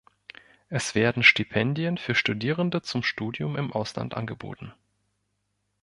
Es werden Stipendien für Studierende zum Studium im Ausland angeboten.